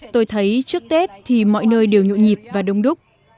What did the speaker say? tôi thấy trước tết thì mọi nơi đều nhộn nhịp và đông đúc